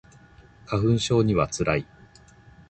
花粉症には辛い